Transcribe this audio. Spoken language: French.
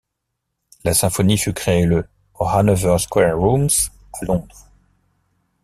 La symphonie fut créée le au Hanover Square Rooms à Londres.